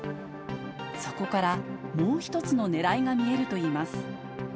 そこからもう一つのねらいが見えるといいます。